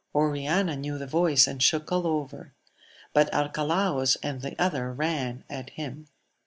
Oriana knew the voice, and shook all over ; but Arcalaus and the other ran at him.